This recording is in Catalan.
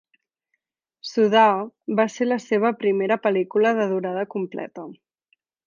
Suddha va ser la seva primera pel·lícula de durada completa.